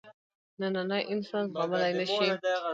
نننی انسان زغملای نه شي.